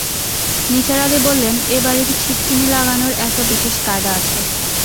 নিসার আলি বললেন, এ-বাড়ির ছিটিকিনি লাগানের একটা বিশেষ কায়দা আছে।